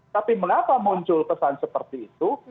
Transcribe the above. tapi mengapa muncul pesan seperti itu